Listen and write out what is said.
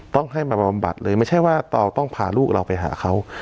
ต้องให้มาบำบัดเลยไม่ใช่ว่าเราต้องพาลูกเราไปหาเขา